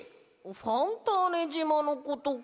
ファンターネじまのことか。